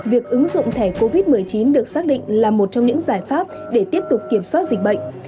việc ứng dụng thẻ covid một mươi chín được xác định là một trong những giải pháp để tiếp tục kiểm soát dịch bệnh